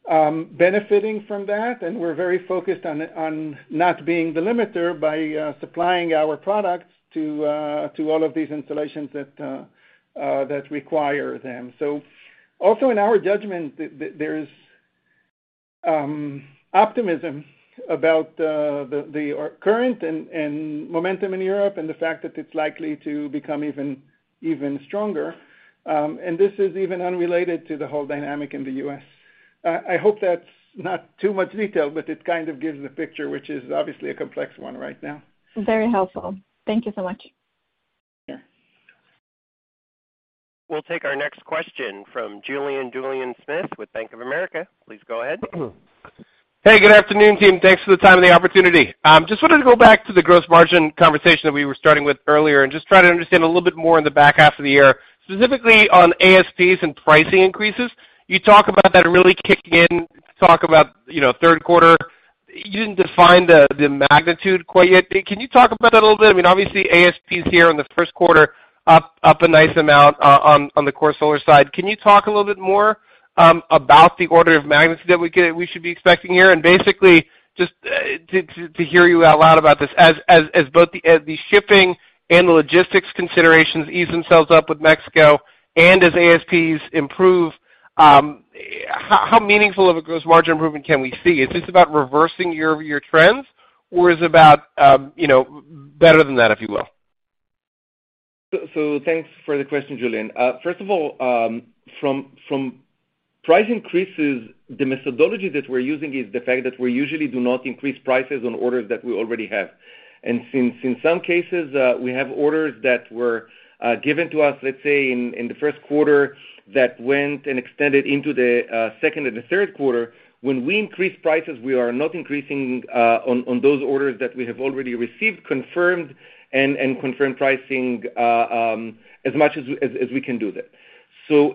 benefiting from that, and we're very focused on not being the limiter by supplying our products to all of these installations that require them. Also in our judgment, there's optimism about the current and momentum in Europe and the fact that it's likely to become even stronger. This is even unrelated to the whole dynamic in the U.S. I hope that's not too much detail, but it kind of gives the picture, which is obviously a complex one right now. Very helpful. Thank you so much. Yeah. We'll take our next question from Julien Dumoulin-Smith with Bank of America. Please go ahead. Hey, good afternoon, team. Thanks for the time and the opportunity. Just wanted to go back to the gross margin conversation that we were starting with earlier and just try to understand a little bit more in the back half of the year, specifically on ASPs and pricing increases. You talk about that really kicking in, third quarter. You didn't define the magnitude quite yet. Can you talk about that a little bit? I mean, obviously, ASPs here in the first quarter up a nice amount on the core solar side. Can you talk a little bit more about the order of magnitude that we should be expecting here? Basically, just to hear you out loud about this. As both the shipping and logistics considerations ease themselves up with Mexico and as ASPs improve, how meaningful of a gross margin improvement can we see? Is this about reversing year-over-year trends, or is it about, you know, better than that, if you will? Thanks for the question, Julien. First of all, from price increases, the methodology that we're using is the fact that we usually do not increase prices on orders that we already have. Since in some cases we have orders that were given to us, let's say in the first quarter that went and extended into the second and the third quarter, when we increase prices, we are not increasing on those orders that we have already received and confirmed pricing as much as we can do that.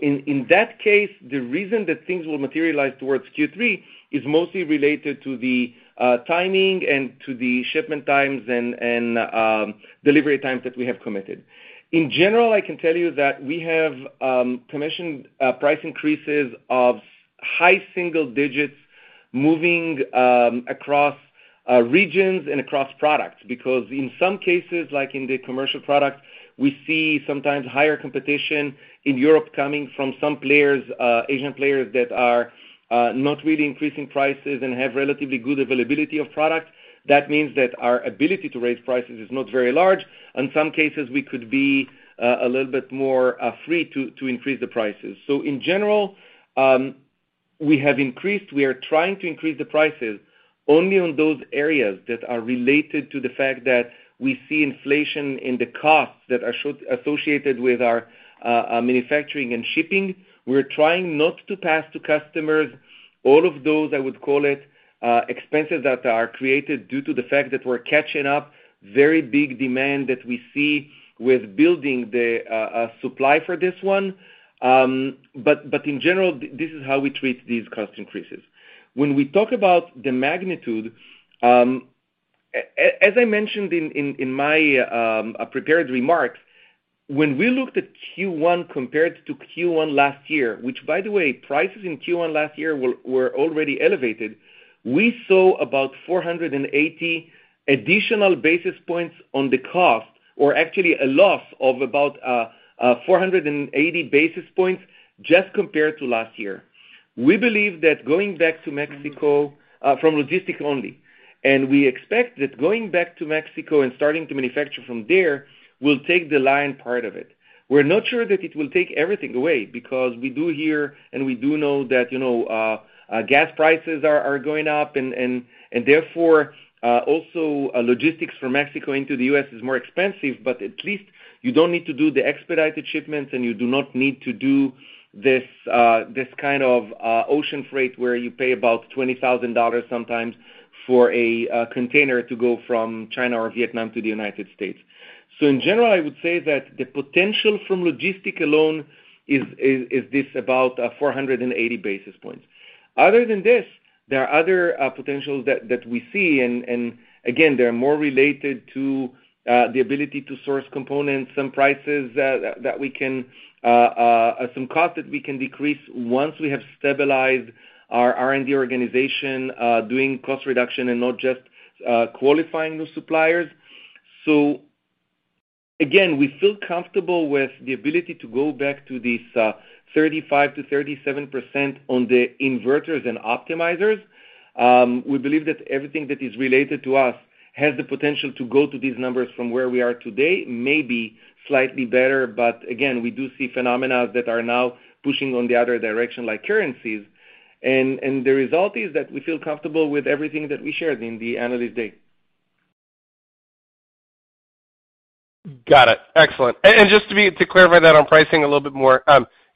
In that case, the reason that things will materialize towards Q3 is mostly related to the timing and to the shipment times and delivery times that we have committed. In general, I can tell you that we have commissioned price increases of high single digits moving across regions and across products. Because in some cases, like in the commercial products, we see sometimes higher competition in Europe coming from some players, Asian players that are not really increasing prices and have relatively good availability of product. That means that our ability to raise prices is not very large. In some cases, we could be a little bit more free to increase the prices. In general, we are trying to increase the prices only on those areas that are related to the fact that we see inflation in the costs that are associated with our manufacturing and shipping. We're trying not to pass to customers all of those, I would call it, expenses that are created due to the fact that we're catching up very big demand that we see with building the supply for this one. In general, this is how we treat these cost increases. When we talk about the magnitude, as I mentioned in my prepared remarks, when we looked at Q1 compared to Q1 last year, which by the way, prices in Q1 last year were already elevated, we saw about 480 additional basis points on the cost or actually a loss of about 480 basis points just compared to last year. We believe that going back to Mexico, from logistics only, and we expect that going back to Mexico and starting to manufacture from there will take the lion's share of it. We're not sure that it will take everything away because we do hear, and we do know that, you know, gas prices are going up and therefore also logistics from Mexico into the U.S. is more expensive, but at least you don't need to do the expedited shipments, and you do not need to do this kind of ocean freight where you pay about $20,000 sometimes for a container to go from China or Vietnam to the United States. In general, I would say that the potential from logistics alone is this about 480 basis points. Other than this, there are other potentials that we see and again, they're more related to the ability to source components, some costs that we can decrease once we have stabilized our R&D organization doing cost reduction and not just qualifying those suppliers. Again, we feel comfortable with the ability to go back to this 35%-37% on the inverters and optimizers. We believe that everything that is related to us has the potential to go to these numbers from where we are today, maybe slightly better. Again, we do see phenomena that are now pushing in the other direction like currencies. The result is that we feel comfortable with everything that we shared in the Analyst Day. Got it. Excellent. Just to clarify that on pricing a little bit more,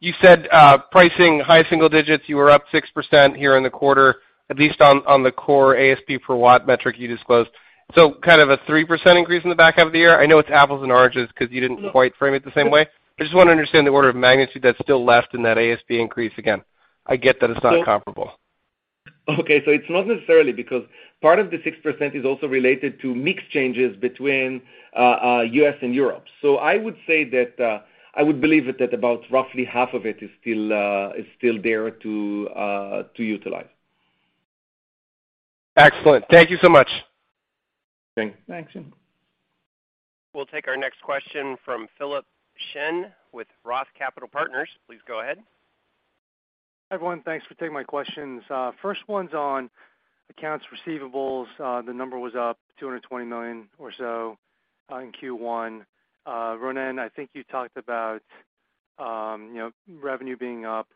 you said pricing high single digits, you were up 6% here in the quarter, at least on the core ASP per watt metric you disclosed. Kind of a 3% increase in the back half of the year. I know it's apples and oranges 'cause you didn't quite frame it the same way. I just wanna understand the order of magnitude that's still left in that ASP increase again. I get that it's not comparable. It's not necessarily because part of the 6% is also related to mix changes between, U.S. and Europe. I would say that I would believe it at about roughly half of it is still there to utilize. Excellent. Thank you so much. Thanks. We'll take our next question from Philip Shen with Roth Capital Partners. Please go ahead. Hi, everyone. Thanks for taking my questions. First one's on accounts receivables. The number was up $220 million or so in Q1. Ronen, I think you talked about, you know, revenue being up,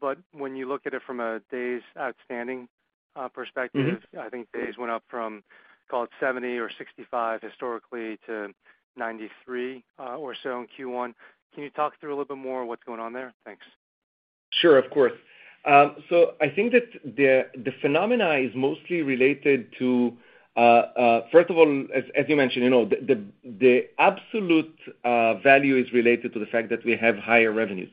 but when you look at it from a days outstanding perspective. I think days went up from, call it 70 or 65 historically to 93 or so in Q1. Can you talk through a little bit more what's going on there? Thanks. Sure. Of course. So I think that the phenomenon is mostly related to first of all, as you mentioned, you know, the absolute value is related to the fact that we have higher revenues.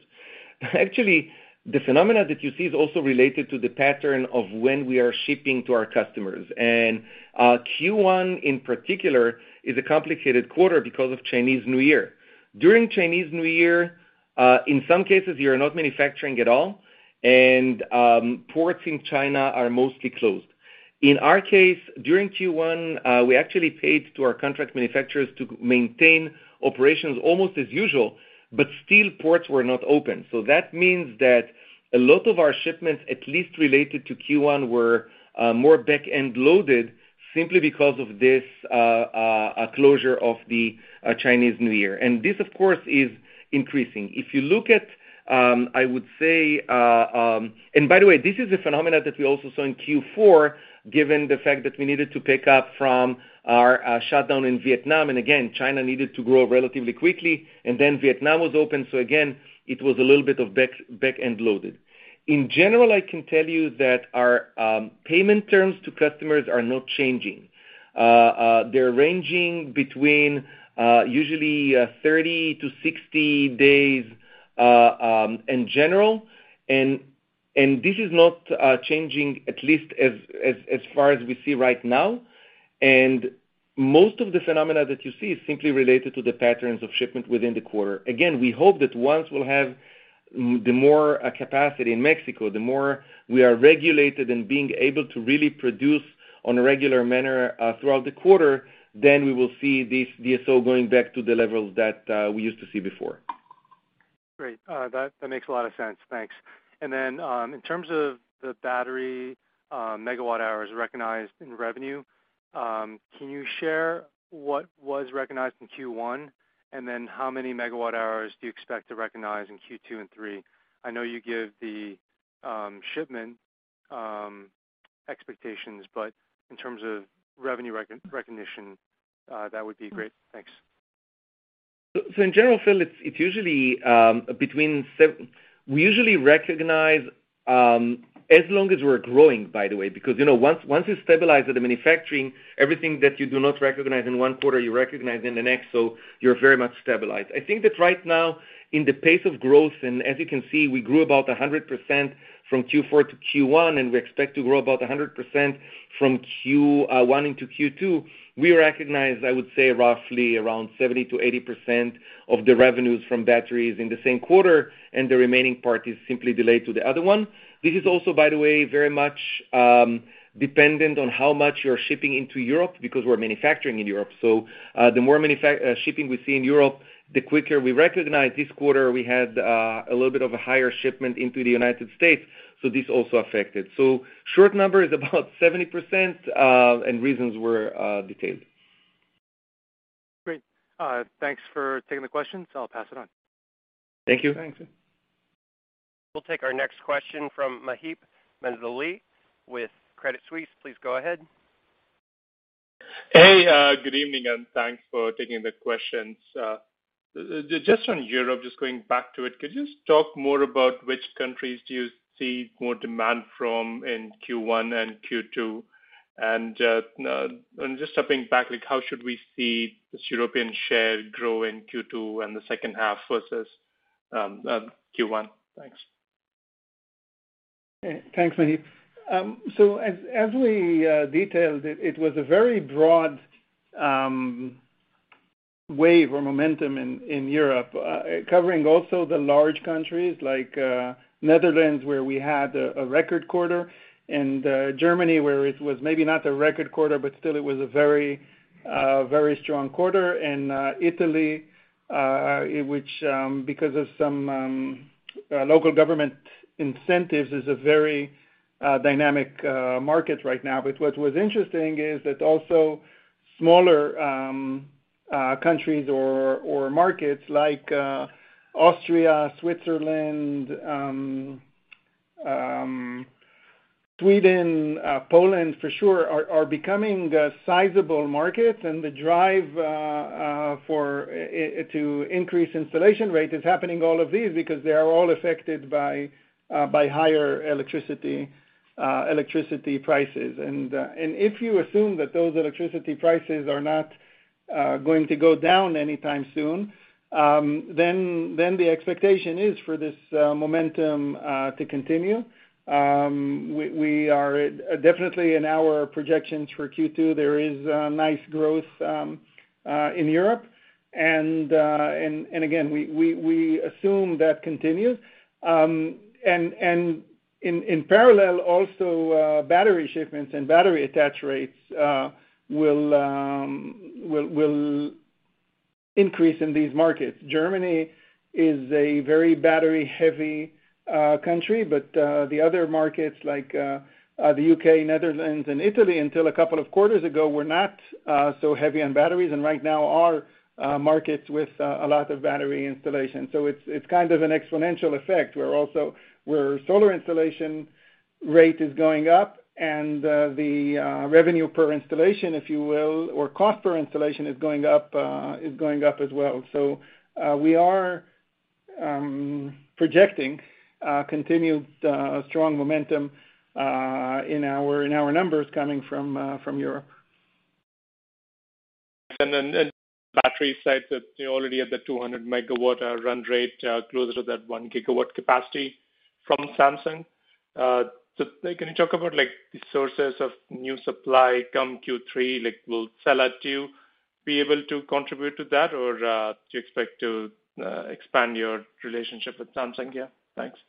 Actually, the phenomenon that you see is also related to the pattern of when we are shipping to our customers. Q1 in particular is a complicated quarter because of Chinese New Year. During Chinese New Year, in some cases, you're not manufacturing at all and ports in China are mostly closed. In our case, during Q1, we actually paid to our contract manufacturers to maintain operations almost as usual, but still ports were not open. That means that a lot of our shipments, at least related to Q1, were more back-end loaded simply because of this closure of the Chinese New Year. This, of course, is increasing. If you look at, I would say, and by the way, this is a phenomena that we also saw in Q4, given the fact that we needed to pick up from our shutdown in Vietnam. Again, China needed to grow relatively quickly, and then Vietnam was open, so again, it was a little bit of back-end loaded. In general, I can tell you that our payment terms to customers are not changing. They're ranging between, usually, 30-60 days, in general. This is not changing at least as far as we see right now. Most of the phenomena that you see is simply related to the patterns of shipment within the quarter. Again, we hope that once we'll have more capacity in Mexico, the more we are regulated and being able to really produce on a regular manner throughout the quarter, then we will see this DSO going back to the levels that we used to see before. Great. That makes a lot of sense. Thanks. In terms of the battery, megawatt-hours recognized in revenue, can you share what was recognized in Q1? How many megawatt-hours do you expect to recognize in Q2 and Q3? I know you give the shipment expectations, but in terms of revenue recognition, that would be great. Thanks. In general, Philip, we usually recognize as long as we're growing, by the way, because, you know, once you stabilize at the manufacturing, everything that you do not recognize in one quarter, you recognize in the next. You're very much stabilized. I think that right now in the pace of growth, and as you can see, we grew about 100% from Q4 to Q1, and we expect to grow about 100% from Q1 into Q2. We recognize, I would say roughly around 70%-80% of the revenues from batteries in the same quarter, and the remaining part is simply delayed to the other one. This is also, by the way, very much dependent on how much you're shipping into Europe because we're manufacturing in Europe. The more shipping we see in Europe, the quicker we recognize. This quarter, we had a little bit of a higher shipment into the United States, so this also affected. Short number is about 70%, and reasons were detailed. Great. Thanks for taking the questions. I'll pass it on. Thank you. Thanks. We'll take our next question from Maheep Mandloi with Credit Suisse. Please go ahead. Hey, good evening, thanks for taking the questions. Just on Europe, just going back to it, could you just talk more about which countries do you see more demand from in Q1 and Q2? Just stepping back, like how should we see this European share grow in Q2 and the second half versus Q1? Thanks. Thanks, Maheep. So as we detailed it was a very broad wave or momentum in Europe covering also the large countries like Netherlands, where we had a record quarter, and Germany, where it was maybe not a record quarter, but still it was a very strong quarter. Italy, which because of some local government incentives is a very dynamic market right now. What was interesting is that also smaller countries or markets like Austria, Switzerland, Sweden, Poland for sure are becoming a sizable market. The drive to increase installation rate is happening all over these because they are all affected by higher electricity prices. If you assume that those electricity prices are not going to go down anytime soon, then the expectation is for this momentum to continue. We are definitely in our projections for Q2, there is nice growth in Europe. Again, we assume that continues. In parallel also, battery shipments and battery attach rates will increase in these markets. Germany is a very battery-heavy country, but the other markets like the U.K., Netherlands and Italy, until a couple of quarters ago, were not so heavy on batteries, and right now are markets with a lot of battery installation. It's kind of an exponential effect where solar installation rate is going up and the revenue per installation, if you will, or cost per installation is going up as well. We are projecting continued strong momentum in our numbers coming from Europe. On the battery side that you're already at the 200 MWh run rate, closer to that 1 GWh capacity from Samsung. Can you talk about like the sources of new supply in Q3? Like, will Sella 2 be able to contribute to that, or do you expect to expand your relationship with Samsung? Yeah. Thanks.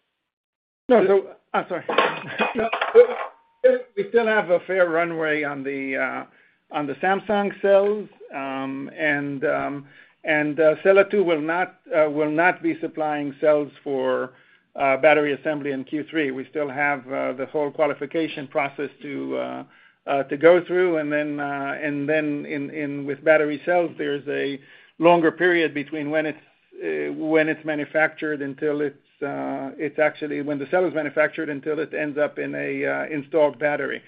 No, no. I'm sorry. We still have a fair runway on the Samsung cells. Sella 2 will not be supplying cells for battery assembly in Q3. We still have the whole qualification process to go through. Then with battery cells, there's a longer period between when the cell is manufactured until it ends up in an installed battery.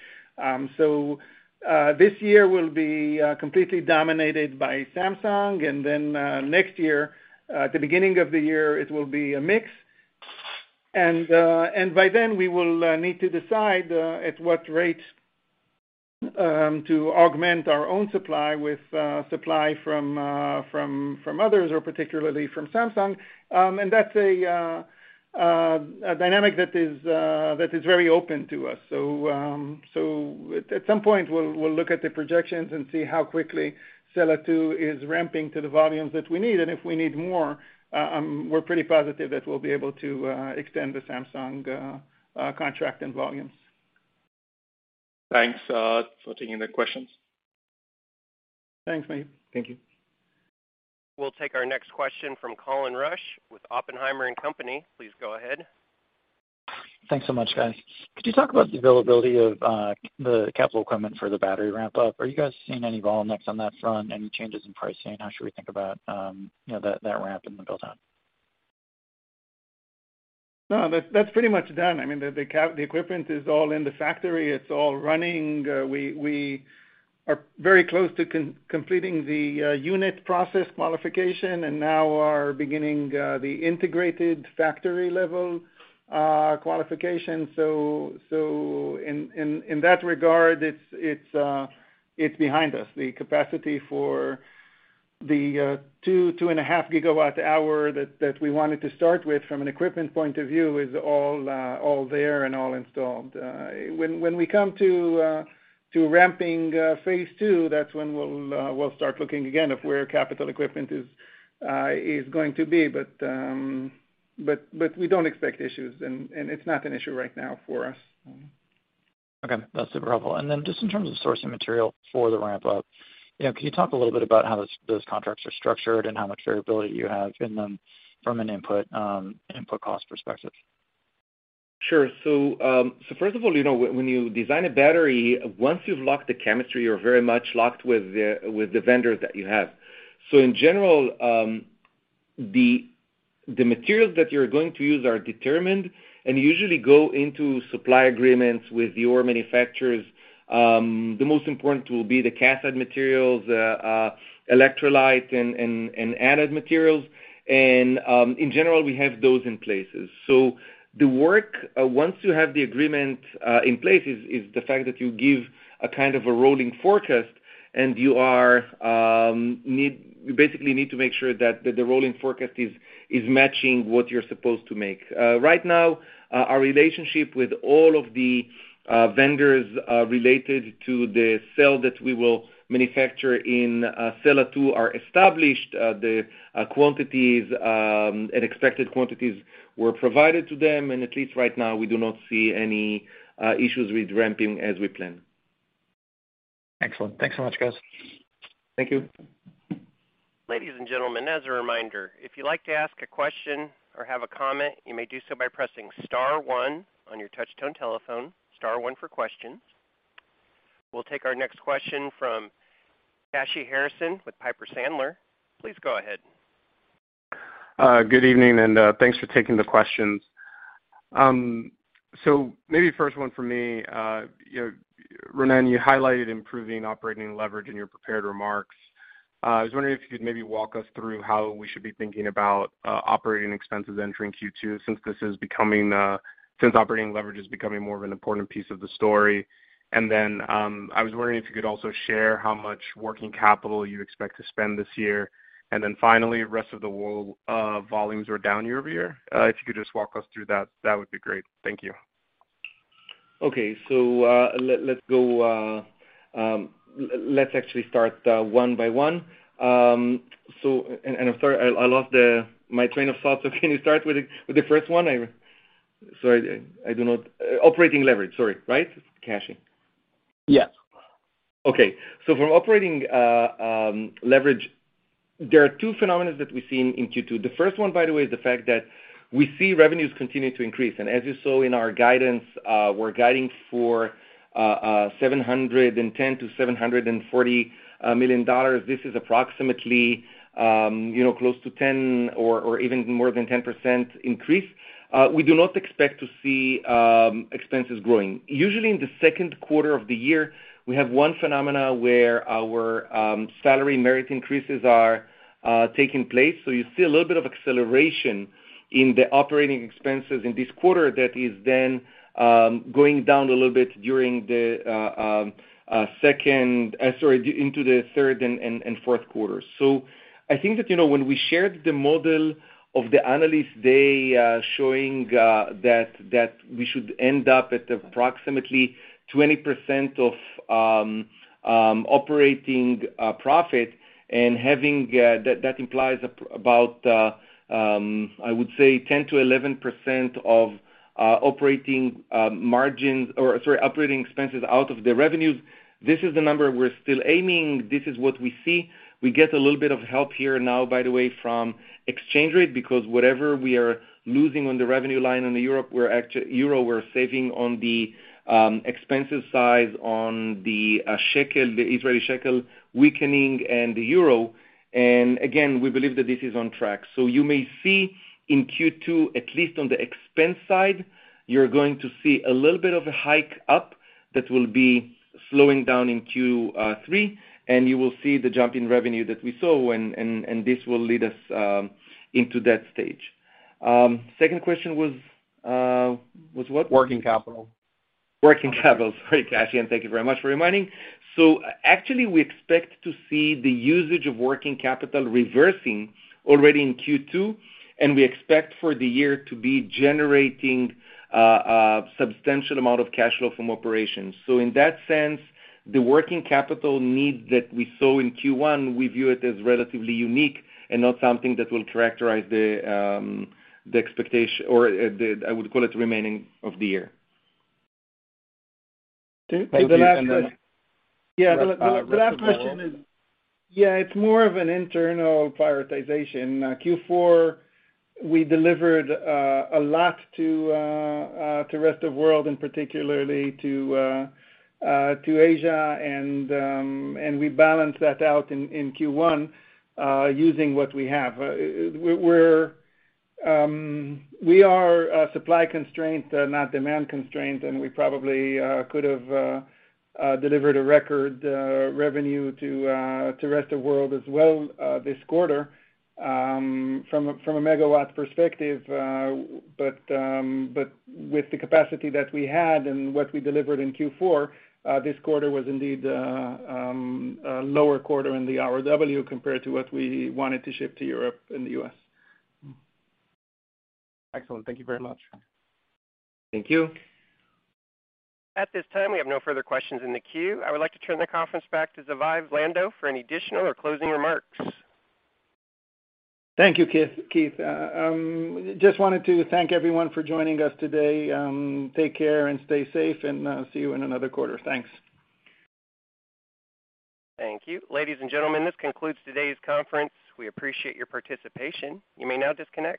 This year will be completely dominated by Samsung, and then next year, at the beginning of the year, it will be a mix. By then we will need to decide at what rate to augment our own supply with supply from others or particularly from Samsung. That's a dynamic that is very open to us. At some point we'll look at the projections and see how quickly Sella 2 is ramping to the volumes that we need. If we need more, we're pretty positive that we'll be able to extend the Samsung contract and volumes. Thanks for taking the questions. Thanks, Maheep Mandloi. Thank you. We'll take our next question from Colin Rusch with Oppenheimer & Co. Please go ahead. Thanks so much, guys. Could you talk about the availability of the capital equipment for the battery ramp up? Are you guys seeing any bottlenecks on that front? Any changes in pricing? How should we think about, you know, that ramp and the build-out? No, that's pretty much done. I mean, the equipment is all in the factory, it's all running. We are very close to completing the unit process qualification, and now are beginning the integrated factory level qualification. In that regard, it's behind us. The capacity for the 2.5 GWh that we wanted to start with from an equipment point of view is all there and all installed. When we come to ramping phase two, that's when we'll start looking again of where capital equipment is going to be. We don't expect issues and it's not an issue right now for us, so. Okay. That's super helpful. Just in terms of sourcing material for the ramp up, you know, can you talk a little bit about how those contracts are structured and how much variability you have in them from an input cost perspective? Sure. First of all, you know, when you design a battery, once you've locked the chemistry, you're very much locked with the vendors that you have. In general, the materials that you're going to use are determined and usually go into supply agreements with your manufacturers. The most important will be the cathode materials, electrolyte and anode materials. In general, we have those in places. The work once you have the agreement in place is the fact that you give a kind of a rolling forecast and you basically need to make sure that the rolling forecast is matching what you're supposed to make. Right now, our relationship with all of the vendors related to the scale that we will manufacture in Sella 2 are established. The quantities and expected quantities were provided to them. At least right now, we do not see any issues with ramping as we plan. Excellent. Thanks so much, guys. Thank you. Ladies and gentlemen, as a reminder, if you'd like to ask a question or have a comment, you may do so by pressing star one on your touch tone telephone, star one for questions. We'll take our next question from Kashy Harrison with Piper Sandler. Please go ahead. Good evening and thanks for taking the questions. Maybe first one for me, you know, Ronen, you highlighted improving operating leverage in your prepared remarks. I was wondering if you could maybe walk us through how we should be thinking about operating expenses entering Q2 since operating leverage is becoming more of an important piece of the story. I was wondering if you could also share how much working capital you expect to spend this year. Finally, rest of the world volumes are down year-over-year. If you could just walk us through that would be great. Thank you. Okay. Let's actually start one by one. I'm sorry, I lost my train of thought. Can you start with the first one? Sorry. Operating leverage. Sorry, right, Kashy? Yes. Okay. From operating leverage, there are two phenomena that we've seen in Q2. The first one, by the way, is the fact that we see revenues continue to increase. As you saw in our guidance, we're guiding for $710 million-$740 million. This is approximately, you know, close to 10% or even more than 10% increase. We do not expect to see expenses growing. Usually in the second quarter of the year, we have one phenomena where our salary merit increases are taking place. You see a little bit of acceleration in the operating expenses in this quarter that is then going down a little bit into the third and fourth quarters. I think that, you know, when we shared the model of the analyst day, showing that we should end up at approximately 20% operating profit and having that implies about, I would say 10%-11% operating expenses out of the revenues. This is the number we're still aiming. This is what we see. We get a little bit of help here now, by the way, from exchange rate because whatever we are losing on the revenue line in Europe, euro, we're saving on the expense side on the shekel, the Israeli shekel weakening and the euro. Again, we believe that this is on track. You may see in Q2, at least on the expense side, you're going to see a little bit of a hike up that will be slowing down in Q3, and you will see the jump in revenue that we saw and this will lead us into that stage. Second question was what? Working capital. Working capital. Sorry, Kashy. Thank you very much for reminding. Actually, we expect to see the usage of working capital reversing already in Q2, and we expect for the year to be generating a substantial amount of cash flow from operations. In that sense, the working capital need that we saw in Q1, we view it as relatively unique and not something that will characterize the, I would call it, the remaining of the year. Okay. Thank you. The last question And then- The last question is. It's more of an internal prioritization. Q4, we delivered a lot to rest of world, and particularly to Asia and we balanced that out in Q1 using what we have. We are supply constrained, not demand constrained, and we probably could've delivered a record revenue to rest of world as well this quarter from a megawatts perspective, but with the capacity that we had and what we delivered in Q4, this quarter was indeed a lower quarter in the ROW compared to what we wanted to ship to Europe and the U.S. Excellent. Thank you very much. Thank you. At this time, we have no further questions in the queue. I would like to turn the conference back to Zvi Lando for any additional or closing remarks. Thank you, Keith. Just wanted to thank everyone for joining us today. Take care and stay safe, and I'll see you in another quarter. Thanks. Thank you. Ladies and gentlemen, this concludes today's conference. We appreciate your participation. You may now disconnect.